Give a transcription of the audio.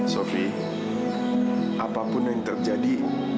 sofi apapun yang terjadi